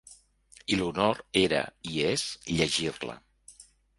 I l'honor era, i és, llegir-la.